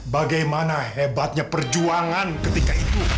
bagaimana hebatnya perjuangan ketika itu